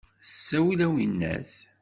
S ttawil a winnat!